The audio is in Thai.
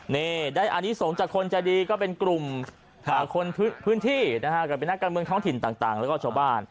นี่ได้อันนี้ส่งจากคนใจดีก็เป็นกลุ่มคนพื้นที่นะฮะก็เป็นนักการเมืองท้องถิ่นต่างแล้วก็ชาวบ้าน